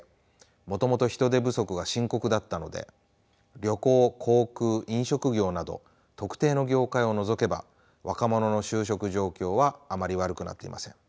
もともと人手不足が深刻だったので旅行・航空・飲食業など特定の業界を除けば若者の就職状況はあまり悪くなっていません。